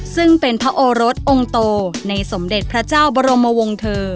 ซึ่งเป็นพระโอรสองค์โตในสมเด็จพระเจ้าบรมวงเถอร์